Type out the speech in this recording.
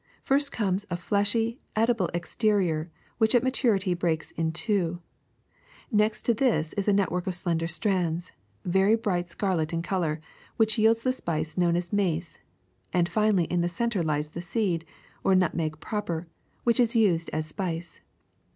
First comes a fleshy, edible exterior which at maturity breaks in two ; next to this is a net work of slender strands, very bright scarlet in color, which yields the spice known as mace ; and finally, in the center, lies the seed, or nutmeg proper, which is used as spice.